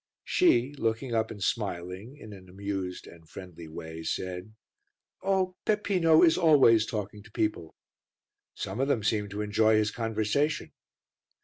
She, looking up and smiling, in an amused and friendly way, said "Oh! Peppino is always talking to people." "Some of them seem to enjoy his conversation."